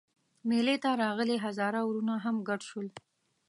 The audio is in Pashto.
مېلې ته راغلي هزاره وروڼه هم ګډ شول.